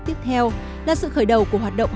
tiếp theo là sự khởi đầu của hoạt động